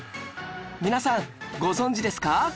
皆さんご存じですか？